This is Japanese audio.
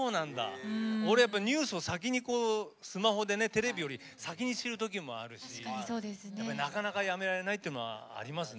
俺、やっぱりニュースをスマホでテレビより先に知ることがあるしなかなかやめられないというのはありますよね。